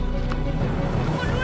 selamat menang wih